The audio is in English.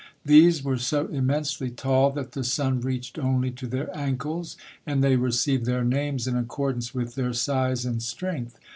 These were so immensely tall that the sun reached only to their ankles, and they received their names in accordance with their size and strength.